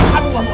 satu dua tiga